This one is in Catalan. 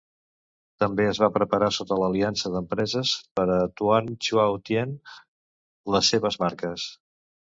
També es va preparar sota aliança d"empreses per a Tuan Chau Tien, les seves marques.